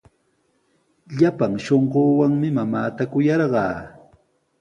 Llapan shunquuwanmi mamaata kuyarqaa.